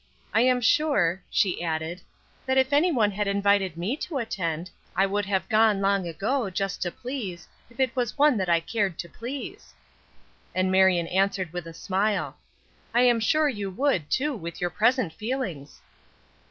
I am sure," she added, "that if anyone had invited me to attend, I should have gone long ago, just to please, if it was one that I cared to please." And Marion answered with a smile: "I am sure you would, too, with your present feelings."